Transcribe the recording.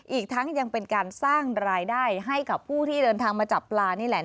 อีกทั้งยังเป็นการสร้างรายได้ให้กับผู้ที่เดินทางมาจับปลานี่แหละ